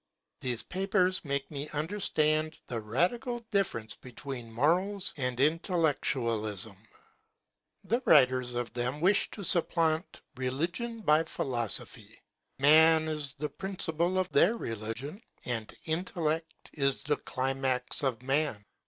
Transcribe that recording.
These papers make me under stand 'the radical difference between morals and intellectualism. The writers of them a AMIEL'S JOURNAL. 23 wish to supplant religion by philosophy. Man is the principle of their religion, and intellect is the climax of man.